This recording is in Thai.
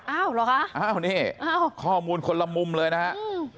อ้าวเหรอคะอ้าวนี่ข้อมูลคนละมุมเลยนะฮะ